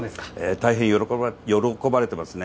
大変喜ばれてますね。